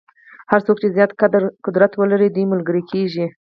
هر څوک چې زیات قدرت ولري دوی ملګري کېږي.